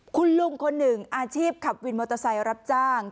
คุณลุงคนหนึ่งอาชีพขับวินมอเตอร์ไซค์รับจ้าง